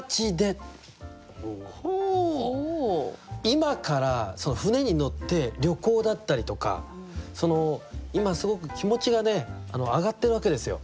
今から船に乗って旅行だったりとかその今すごく気持ちがね上がってるわけですよ。